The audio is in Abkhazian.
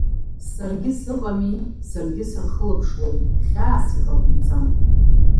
Саргьы сыҟами, саргьы сырхылаԥшлоит, хьаас иҟабымҵан.